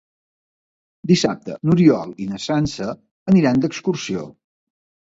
Dissabte n'Oriol i na Sança aniran d'excursió.